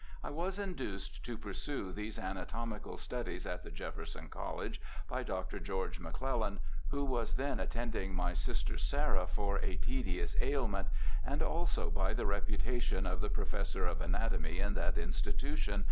I was induced to pursue these anatomical studies at the Jefferson College by Dr. George McClellan, who was then at tending my sister Sarah for a tedious ailment, and also by the reputation of the professor of anatomy in that institution.